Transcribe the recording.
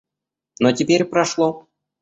Но теперь прошло.